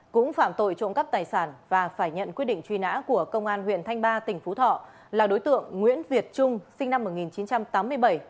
cũng phạm tội trộm cắp tài sản và phải nhận quyết định truy nã của công an huyện thanh ba tỉnh phú thọ là đối tượng nguyễn việt trung sinh năm một nghìn chín trăm tám mươi bảy